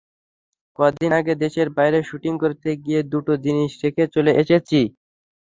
কদিন আগে দেশের বাইরে শুটিং করতে গিয়ে দুটো জিনিস রেখে চলে এসেছি।